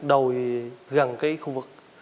đầu gần cái khu vực